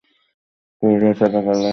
ফিরোজ চাপা গলায় গর্জন করছে।